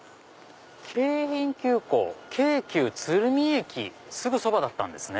京浜急行京急鶴見駅すぐそばだったんですね。